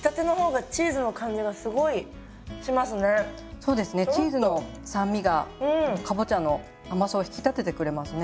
そうですねチーズの酸味がかぼちゃの甘さを引き立ててくれますね。